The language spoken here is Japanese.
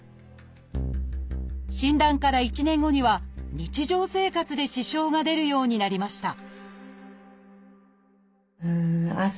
診断から１年後には日常生活で支障が出るようになりました